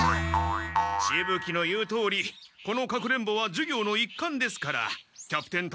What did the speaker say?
しぶ鬼の言うとおりこの隠れんぼは授業の一環ですからキャプテン達